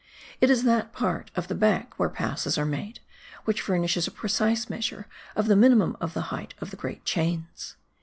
It is that part of the back where passes are made, which furnishes a precise measure of the minimum of the height of the great chains.